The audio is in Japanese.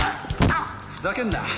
ふざけんな。